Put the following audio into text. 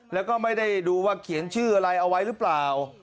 แล้วก็ไม่ได้ดูว่าเขียนชื่ออะไรเอาไว้หรือเปล่า